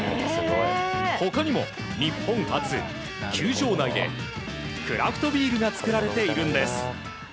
他にも日本初、球場内でクラフトビールが造られているんです。